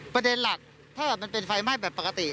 ประเด็นหลักถ้าเกิดมันเป็นไฟไหม้แบบปกติ